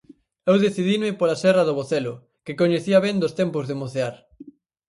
Eu decidinme pola serra do Bocelo, que coñecía ben dos tempos de mocear.